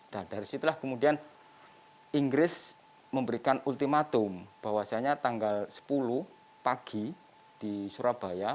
dan dari situlah kemudian inggris memberikan ultimatum bahwasannya tanggal sepuluh pagi di surabaya